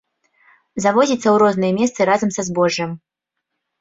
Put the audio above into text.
Завозіцца ў розныя месцы разам са збожжам.